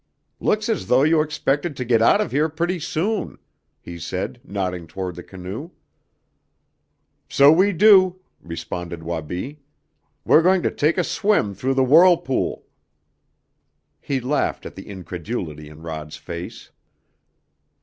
"Looks as though you expected to get out of here pretty soon," he said, nodding toward the canoe. "So we do!" responded Wabi. "We're going to take a swim through the whirlpool!" He laughed at the incredulity in Rod's face.